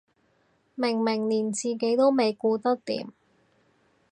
明明連自己都未顧得掂